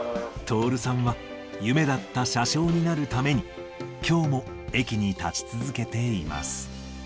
トオルさんは、夢だった車掌になるために、きょうも駅に立ち続けています。